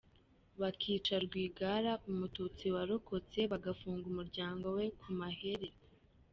Bakica Rwigara, umututsi warokotse, bagafunga umuryango we ku maherere.